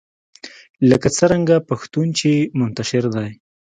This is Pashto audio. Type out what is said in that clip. لکه څرنګه پښتون چې منتشر دی